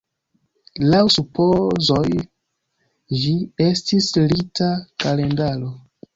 Laŭ supozoj, ĝi estis rita kalendaro.